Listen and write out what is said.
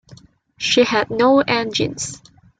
She had no engines.